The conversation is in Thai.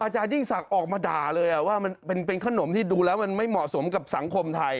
ยิ่งศักดิ์ออกมาด่าเลยว่ามันเป็นขนมที่ดูแล้วมันไม่เหมาะสมกับสังคมไทย